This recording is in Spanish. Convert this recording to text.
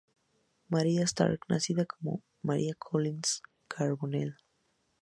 Maria Stark nacida como Maria Collins Carbonell.